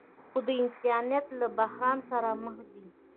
خو د انسانیت له بحران سره مخ دي.